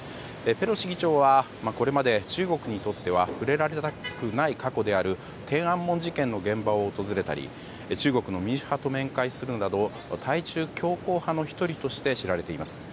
ペロシ議長は、これまで中国にとっては触れられたくない過去である天安門事件の現場を訪れたり中国の民主派と面会するなど対中強硬派の１人として知られています。